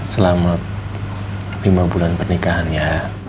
selamat lima bulan pernikahan ya